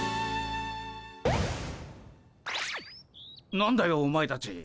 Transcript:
何だよお前たち。